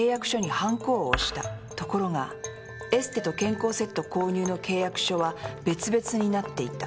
ところがエステと健康セット購入の契約書は別々になっていた。